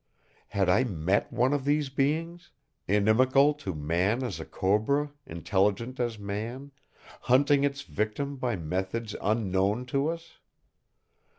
Had I met one of these beings, inimical to man as a cobra, intelligent as man, hunting Its victim by methods unknown to us?